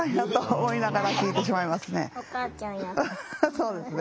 そうですね。